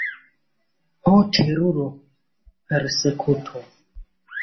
ho, teruro: persekuto!